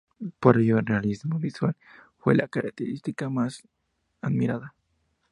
Por ello, el realismo visual fue la característica más admirada.